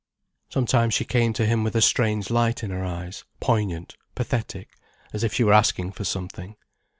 Sometimes she came to him with a strange light in her eyes, poignant, pathetic, as if she were asking for something.